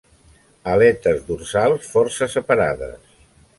Aletes dorsals força separades.